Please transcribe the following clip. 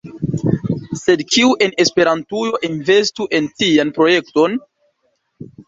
Sed kiu en Esperantujo investu en tian projekton?